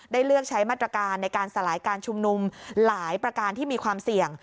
เลือกใช้มาตรการในการสลายการชุมนุมหลายประการที่มีความเสี่ยง